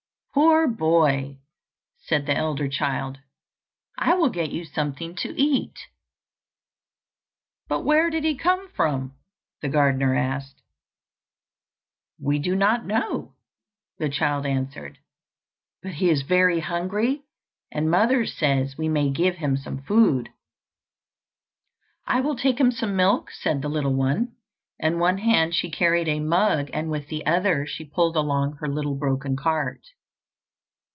"Poor boy," said the elder child, "I will get you something to eat." "But where did he come from?" the gardener asked. "We do not know," the child answered; "but he is very hungry, and mother says we may give him some food." "I will take him some milk," said the little one; in one hand she carried a mug and with the other she pulled along her little broken cart.